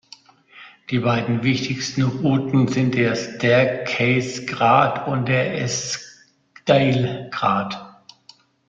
Die beiden wichtigsten Routen sind der Staircase-Grat und der Eskdale-Grat.